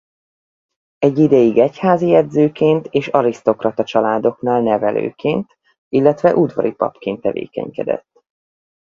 Egy ideig egyházi jegyzőként és arisztokrata családoknál nevelőként illetve udvari papként tevékenykedett.